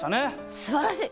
すばらしい！